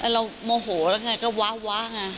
เราโมโหแล้วค่ะก็ว้าวค่ะ